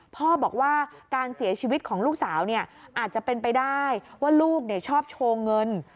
พ่อบอกว่าการเสียชีวิตของลูกสาวเนี่ยอาจจะเป็นไปได้ว่าลูกชอบโชว์เงิน